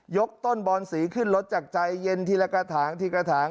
กต้นบอนสีขึ้นรถจากใจเย็นทีละกระถางทีกระถาง